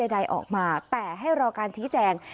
ใดออกมาแต่ให้รอการชี้แจง